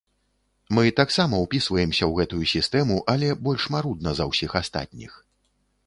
Мы таксама ўпісваемся ў гэтую сістэму, але больш марудна за ўсіх астатніх.